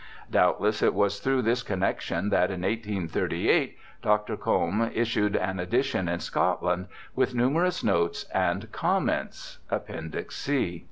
Doubtless it was through this connexion that in 1838 Dr. Combe issued an edition in Scotland, with numerous notes and comments. (Appendix C.)